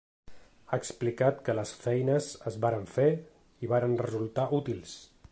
Ha explicat que les feines es varen fer i varen resultar útils.